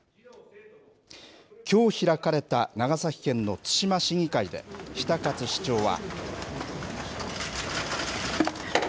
きょう開かれた長崎県の対馬市議会で、比田勝市長は。